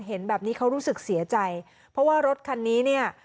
เห็นแบบนี้เขารู้สึกเสียใจเพราะว่ารถคันนี้เนี่ย